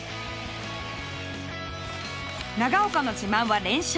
長岡の自慢は連射。